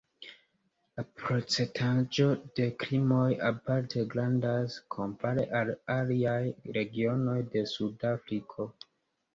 La procentaĵo de krimoj aparte grandas, kompare al aliaj regionoj de Sud-Afriko.